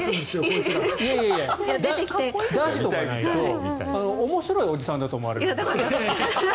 出しておかないと面白いおじさんだと思われる。